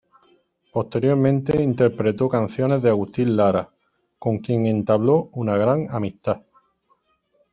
Posteriormente interpretó canciones de Agustín Lara, con quien entabló una gran amistad.